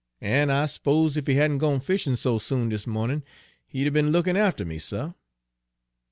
"An' I s'pose ef he hadn' gone fishin' so soon dis mawnin', he'd 'a' be'n lookin' after me, suh."